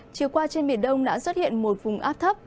chiều qua trên biển đông đã xuất hiện một vùng áp thấp